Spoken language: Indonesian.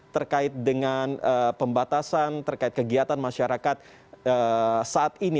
terkait dengan pembatasan terkait kegiatan masyarakat saat ini